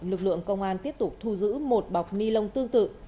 lực lượng công an tiếp tục thu giữ một bọc nilon tương tự